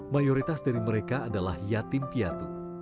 mayoritas dari mereka adalah yatim piatu